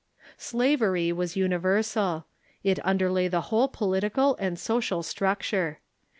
Slavery was universal. It underlay the whole jiolitical and social structure.